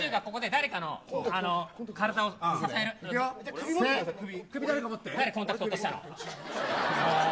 誰、コンタクト落としたの。